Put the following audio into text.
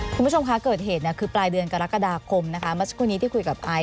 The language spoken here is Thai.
คุณผู้ชมคะเกิดเหตุคือปลายเดือนกรกฎาคมนะคะเมื่อสักครู่นี้ที่คุยกับไอซ